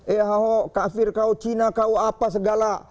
eh ahok kafir kau cina kau apa segala